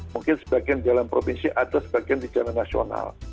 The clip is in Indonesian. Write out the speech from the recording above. mungkin sebagian jalan provinsi atau sebagian di jalan nasional